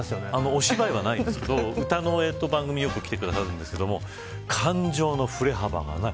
お芝居はないんですけど歌の番組によく来てくださるんですけど感情の振れ幅がない。